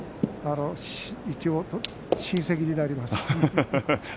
一応、親せきなります。